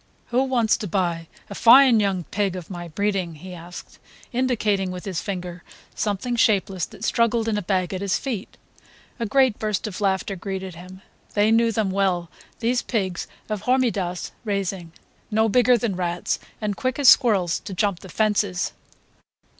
"Who wants to buy a fine young pig of my breeding?" he asked, indicating with his finger something shapeless that struggled in a bag at his feet. A great burst of laughter greeted him. They knew them well, these pigs of Hormidas' raising. No bigger than rats, and quick as squirrels to jump the fences.